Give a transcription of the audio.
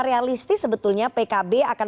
realistis sebetulnya pkb akan